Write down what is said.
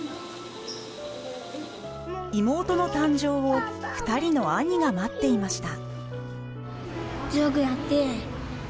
妹の誕生を２人の兄が待っていました。